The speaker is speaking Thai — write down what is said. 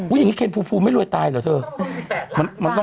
อย่างนี้เคนภูมิไม่รวยตายเหรอเธอ